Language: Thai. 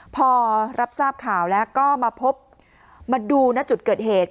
พอรับทราบข่าวแล้วก็มาพบมาดูณจุดเกิดเหตุ